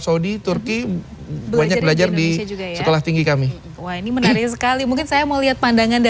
saudi turki banyak belajar di sekolah tinggi kami wah ini menarik sekali mungkin saya mau lihat pandangan